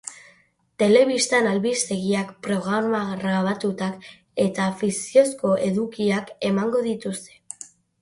Telebistan albistegiak, programa grabatuak eta fikziozko edukiak emango dituzte.